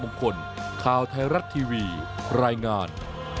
บุคคลข่าวไทยรักทีวีรายงาน